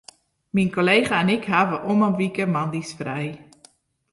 Myn kollega en ik hawwe om 'e wike moandeis frij.